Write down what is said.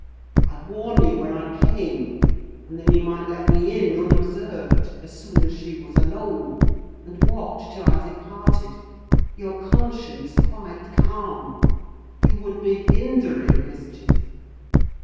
I'd warn you when I came, and then you might let me in unobserved, as soon as she was alone, and watch till I departed, your conscience quite calm: you would be hindering mischief."